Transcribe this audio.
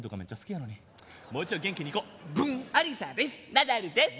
ナダルです！